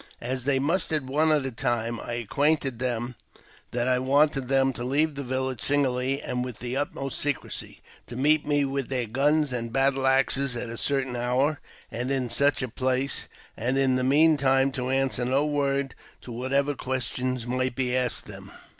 As they mustered one at a time, I acquainted them that I wanted them to leave the village singly and with the utmost secrecy, to meet me with their guns and battle axes at a certain hour and in such a place, and in the meantime to answer no word to whatever question might be asked them.